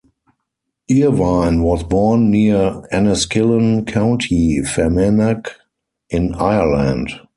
Irvine was born near Enniskillen, County Fermanagh in Ireland.